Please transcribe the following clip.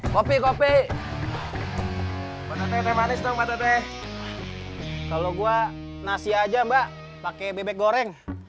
kalau gue nasi aja mbak pake bebek goreng